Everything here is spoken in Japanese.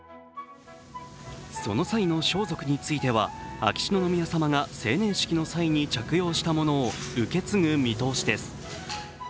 その際の装束については秋篠宮さまが成年式の際に着用したものを受け継ぐ見通しです。